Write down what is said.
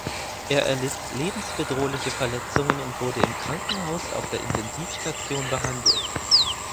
Er erlitt lebensbedrohliche Verletzungen und wurde im Krankenhaus auf der Intensivstation behandelt.